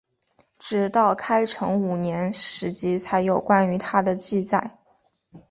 直到开成五年史籍才有关于他的记载。